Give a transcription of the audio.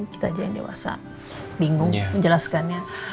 kita aja yang dewasa bingung menjelaskannya